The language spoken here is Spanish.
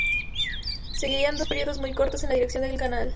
Seguirían dos periodos muy cortos en la dirección del canal.